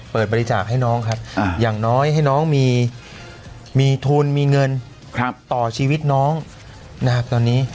เปิดบริจาคให้น้องครับอย่างน้อยให้น้องมีทุนมีเงินต่อชีวิตน้องนะครับตอนนี้